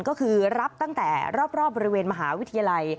ก็คือรับตั้งแต่รอบบริเวณมหาวิทยาลัย